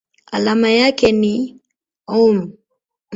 Alama yake ni µm.